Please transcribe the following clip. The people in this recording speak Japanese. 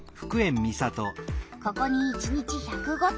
ここに１日１０５トン。